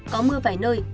có mưa vài nơi